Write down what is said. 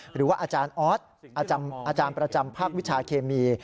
หรือว่าอาจารย์ออสอาจารย์ประจำภาควิชาเคมี